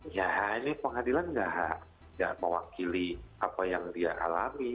ya ini pengadilan tidak mewakili apa yang dia alami